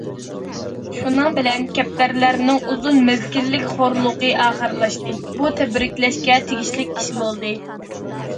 شۇنىڭ بىلەن كەپتەرلەرنىڭ ئۇزۇن مەزگىللىك خورلۇقى ئاخىرلاشتى، بۇ تەبرىكلەشكە تېگىشلىك ئىش بولدى.